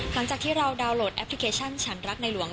หลังจากที่เราดาวน์โหลดแอปพลิเคชันฉันรักในหลวง